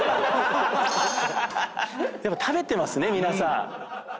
食べてますね皆さん。